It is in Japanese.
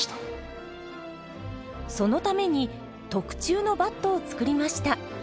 そのために特注のバットを作りました。